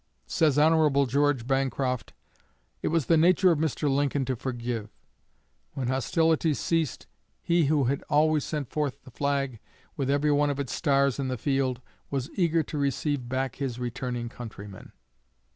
Says Hon. George Bancroft: "It was the nature of Mr. Lincoln to forgive. When hostilities ceased he who had always sent forth the flag with every one of its stars in the field was eager to receive back his returning countrymen."